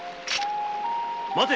待て！